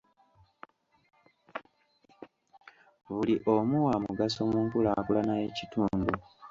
Buli omu wa mugaso mu nkulaakulana y'ekitundu.